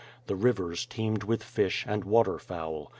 The rivers teemed with • fish, and water fowl.